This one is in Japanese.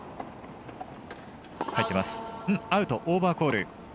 アウト、オーバーコール。